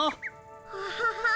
アハハッ。